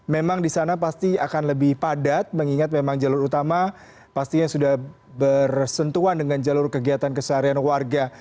memang di sana pasti akan lebih padat mengingat memang jalur utama pastinya sudah bersentuhan dengan jalur kegiatan keseharian warga